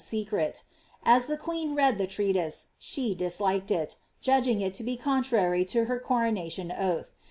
secret As the queen read the treatise, she disliked it, judging it to be contrary to her coronation oath.